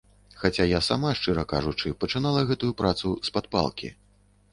Хаця я сама, шчыра кажучы, пачынала гэтую працу з-пад палкі.